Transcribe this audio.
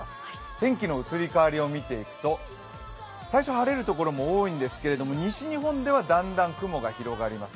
天気の移り変わりを見ていくと最初、晴れる所も多いんですけど、西日本ではだんだん晴れ間が増えます。